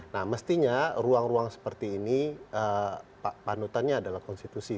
nah mestinya ruang ruang seperti ini panutannya adalah konstitusi